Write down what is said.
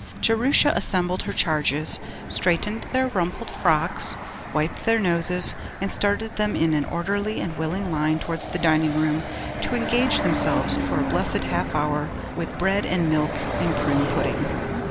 Jerusha assembled her charges, straightened their rumpled frocks, wiped their noses, and started them in an orderly and willing line towards the dining room to engage themselves for a blessed half hour with bread and milk and prune pudding.